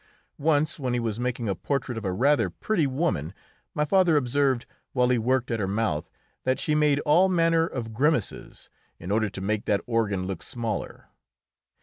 Once, when he was making a portrait of a rather pretty woman, my father observed, while he worked at her mouth, that she made all manner of grimaces in order to make that organ look smaller.